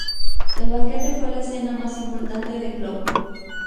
El Banquete fue la escena más importante de Clove.